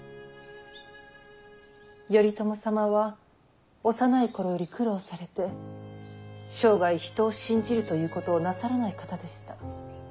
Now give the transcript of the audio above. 頼朝様は幼い頃より苦労されて生涯人を信じるということをなさらない方でした。